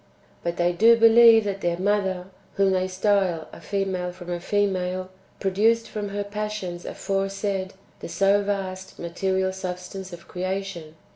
But they do believe that their Mother, whom they style a female from a female, pro duced from her passions aforesaid the so vast material sub stance of creation.